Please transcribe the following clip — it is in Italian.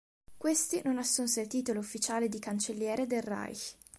Questi non assunse il titolo ufficiale di Cancelliere del Reich.